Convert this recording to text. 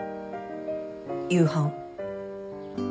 夕飯